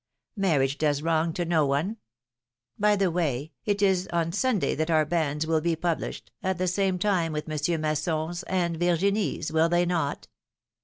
Marriage does wrong to no one ! By the way, it is ou Sunday that our banns will be published, at the same time with Monsieur Masson's and Virginie's, will they not?"